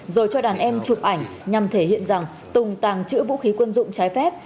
rồi cho đàn em chụp ảnh nhằm thể hiện rằng tùng tàng trữ vũ khí quân dụng trái phép